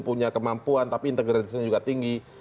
punya kemampuan tapi integritasnya juga tinggi